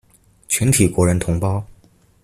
全體國人同胞